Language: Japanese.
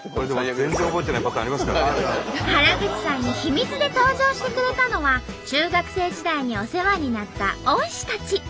原口さんに秘密で登場してくれたのは中学生時代にお世話になった恩師たち。